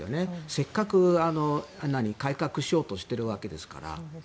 せっかく改革しようとしているわけですから。